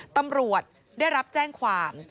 ตำรวจได้รับแจ้งความ